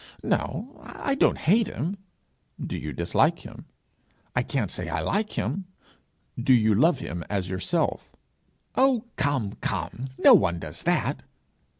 'No, I don't hate him.' 'Do you dislike him?' 'I can't say I like him.' 'Do you love him as yourself?' 'Oh, come! come! no one does that!'